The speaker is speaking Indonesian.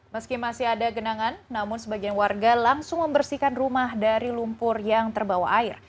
meski masih ada genangan namun sebagian warga langsung membersihkan rumah dari lumpur yang terbawa air